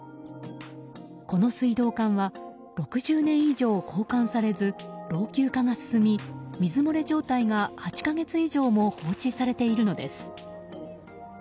この水道管は６０年以上交換されず老朽化が進み水漏れ状態が８か月以上も放置されているのです。